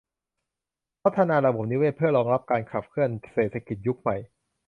พัฒนาระบบนิเวศเพื่อรองรับการขับเคลื่อนเศรษฐกิจยุคใหม่